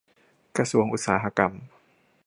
กระทรวงอุตสาหกรรม